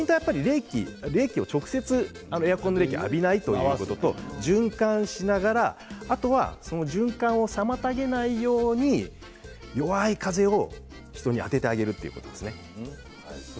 直接エアコンの冷気を浴びないということと循環しながらあとは循環を妨げないように弱い風を人に当ててあげるということですね。